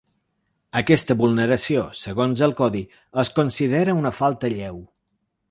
Aquesta vulneració, segons el codi, es considera una falta lleu.